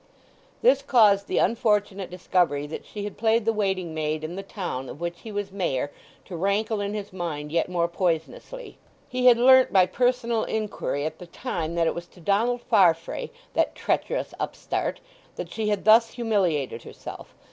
This caused the unfortunate discovery that she had played the waiting maid in the town of which he was Mayor to rankle in his mind yet more poisonously. He had learnt by personal inquiry at the time that it was to Donald Farfrae—that treacherous upstart—that she had thus humiliated herself.